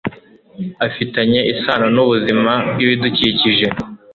afitanye isano n ubuzima bw ibidukikije